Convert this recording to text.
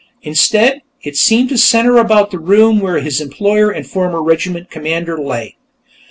Instead, it seemed to center about the room where his employer and former regiment commander lay.